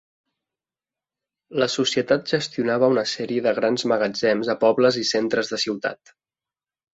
La societat gestionava una sèrie de grans magatzems a pobles i centres de ciutats.